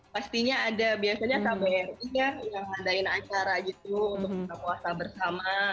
pastinya ada biasanya sabri yang mengandalkan acara gitu untuk berpuasa bersama